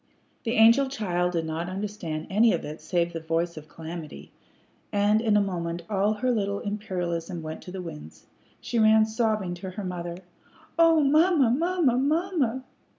The angel child did not understand anything of it save the voice of calamity, and in a moment all her little imperialism went to the winds. She ran sobbing to her mother. "Oh, mamma! mamma! mamma!"